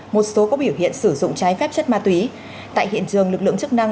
một số có biểu hiện sử dụng trái phép chất ma túy tại hiện trường lực lượng chức năng